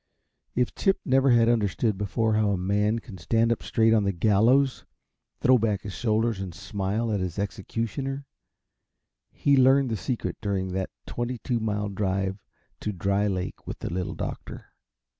If Chip never had understood before how a man can stand up straight on the gallows, throw back his shoulders and smile at his executioner, he learned the secret during that twenty two mile drive to Dry Lake with the Little Doctor.